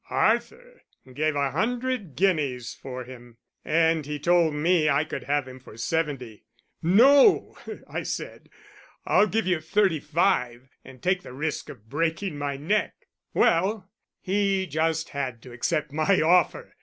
Arthur gave a hundred guineas for him, and he told me I could have him for seventy. 'No,' I said, 'I'll give you thirty five and take the risk of breaking my neck.' Well, he just had to accept my offer!